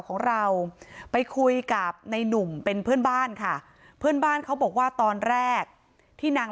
ของเราไปคุยกับในหนุ่มเป็นเพื่อนบ้านค่ะเพื่อนบ้านเขาบอกว่าตอนแรกที่นาง